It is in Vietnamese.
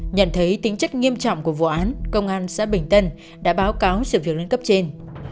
nhận thấy tính chất nghiêm trọng của vụ án công an xã bình tân đã báo cáo sự việc lên cấp trên